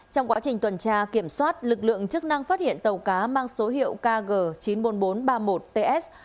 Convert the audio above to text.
trong quá trình tuần tra kiểm soát lực lượng chức năng phát hiện tàu cá mang số hiệu kg chín mươi bốn nghìn bốn trăm ba mươi một ts